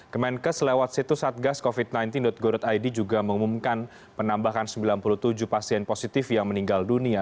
kemenkes lewat situs satgascovid sembilan belas go id juga mengumumkan penambahan sembilan puluh tujuh pasien positif yang meninggal dunia